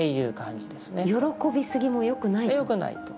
喜びすぎもよくないと。